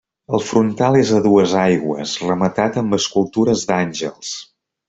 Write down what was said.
El frontal és a dues aigües, rematat amb escultures d'àngels.